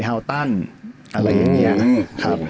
เรเฮาท์ตันอะไรอย่างเงี้ยครับ